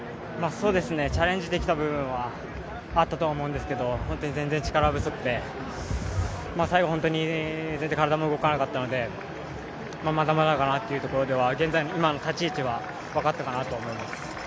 チャレンジできた部分はあったと思うんですけど本当に全然、力不足で最後、本当に全然体も動かなかったのでまだまだかなというところでは現在の立ち位置は分かったかなと思います。